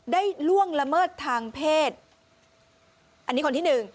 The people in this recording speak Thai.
ล่วงละเมิดทางเพศอันนี้คนที่หนึ่ง